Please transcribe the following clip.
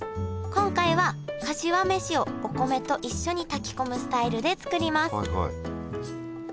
今回はかしわ飯をお米と一緒に炊き込むスタイルで作ります。